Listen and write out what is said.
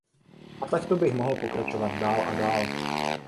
A takto bych mohl pokračovat dál a dál.